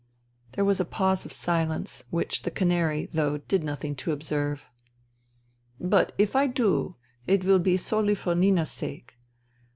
" There was a pause of silence, which the canary, though, did nothing to observe. " But if I do, it will be solely for Nina's sake.